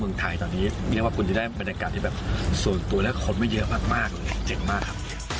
โซนไทยตอนนี้เรียกว่าคุณจะได้เหมือนการที่สูงสู่แล้วคนไม่เยอะมากเจ๋งมากค่ะ